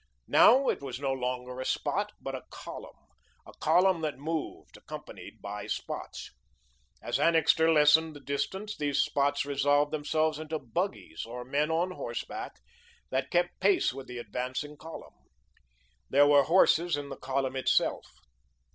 Now it was no longer a spot, but a column, a column that moved, accompanied by spots. As Annixter lessened the distance, these spots resolved themselves into buggies or men on horseback that kept pace with the advancing column. There were horses in the column itself.